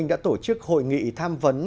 đã tổ chức hội nghị tham vấn